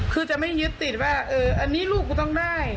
คือจะไม่ยึดติดว่าอันนี้ลูกกูต้องได้